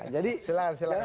jadi jangan samakan